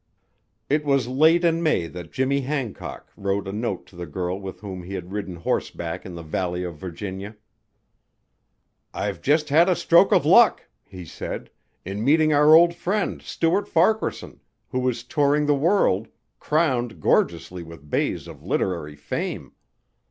It was late in May that Jimmy Hancock wrote a note to the girl with whom he had ridden horseback in the Valley of Virginia. "I've just had a stroke of luck," he said, "in meeting our old friend Stuart Farquaharson, who is touring the world, crowned gorgeously with bays of literary fame.